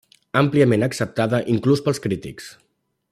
Àmpliament acceptada inclús pels crítics.